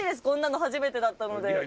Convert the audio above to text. こんなの初めてだったので。